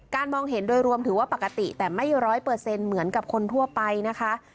มองเห็นโดยรวมถือว่าปกติแต่ไม่ร้อยเปอร์เซ็นต์เหมือนกับคนทั่วไปนะคะ